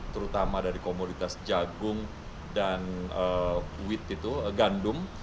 terutama dari komoditas jagung dan kuid itu gandum